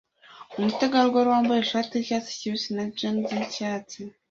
Umutegarugori wambaye ishati yicyatsi kibisi na jans yicaye